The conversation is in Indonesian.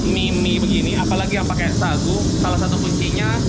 mini begini apalagi yang pakai sagu salah satu kuncinya